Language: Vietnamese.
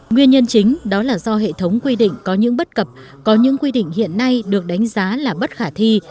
nguyên nhân chính đó là do hệ thống quy định có những bất cập có những quy định hiện nay được đánh giá là bất khả thi